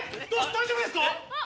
大丈夫ですか？